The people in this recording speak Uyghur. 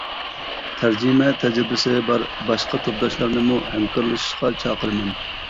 تەرجىمە تەجرىبىسى بار باشقا تورداشلارنىمۇ ھەمكارلىشىشقا چاقىرىمەن.